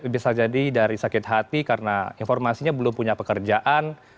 bisa jadi dari sakit hati karena informasinya belum punya pekerjaan